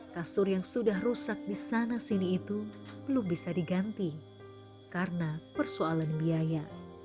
kasur yang sudah rusak di sana sini itu belum bisa diganti karena persoalan biaya